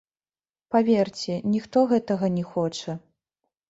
Паверце, ніхто гэтага не хоча.